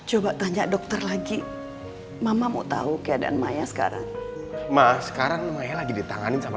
hai coba tanya dokter lagi mama mau tahu keadaan maya sekarang ma sekarang lagi ditanganin sama